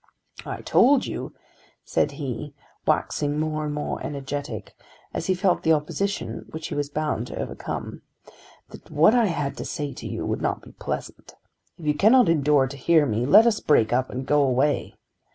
"I told you," said he waxing more and more energetic, as he felt the opposition which he was bound to overcome, "that what I had to say to you would not be pleasant. If you cannot endure to hear me, let us break up and go away.